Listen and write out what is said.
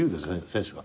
選手が。